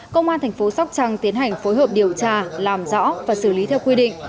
công an tp sóc trăng tiến hành phối hợp điều tra làm rõ và xử lý theo quy định